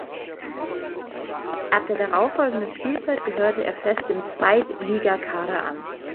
Ab der darauffolgenden Spielzeit gehörte er fest dem Zweitligakader an.